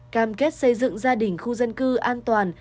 cam kết xây dựng gia đình khu dân cư an toàn